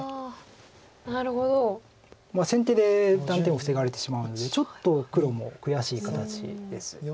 先手で断点を防がれてしまうのでちょっと黒も悔しい形です。